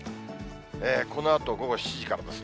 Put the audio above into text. このあと午後７時からですね。